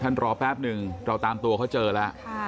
รอแป๊บหนึ่งเราตามตัวเขาเจอแล้ว